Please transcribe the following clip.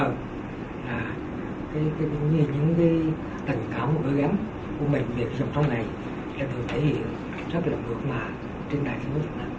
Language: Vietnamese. trên đài sông việt nam